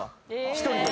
１人で。